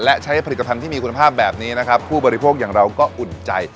และใช้ผลิตภัณฑ์ที่มีคุณภาพแบบนี้นะครับผู้บริโภคอย่างเราก็อุ่นใจ